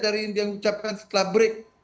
dari yang dia ucapkan setelah break